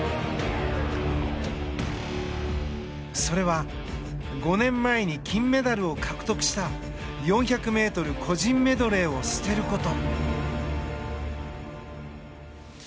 それは５年前に金メダルを獲得した４００ｍ個人メドレーを捨てること。